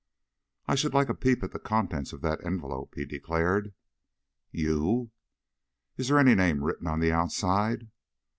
"I should like a peep at the contents of that envelope," he declared. "You?" "Is there any name written on the outside?"